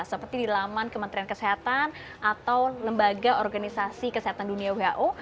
seperti di laman kementerian kesehatan atau lembaga organisasi kesehatan dunia who